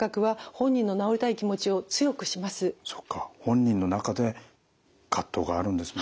本人の中で葛藤があるんですね。